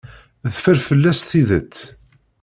Teffer fell-as tidet.